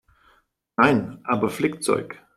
Nein, aber Flickzeug.